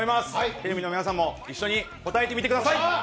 テレビの前の皆さんも一緒に答えてみてください。